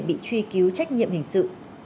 bị truy cứu trách nhiệm hình sự